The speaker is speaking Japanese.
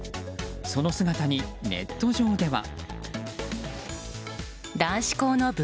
その姿にネット上では。